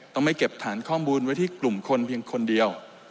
ต้องไม่เก็บฐานข้อมูลไว้ที่กลุ่มคนเพียงคนเดียว